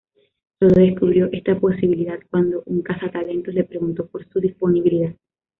Solo descubrió esta posibilidad cuando un cazatalentos le preguntó por su disponibilidad.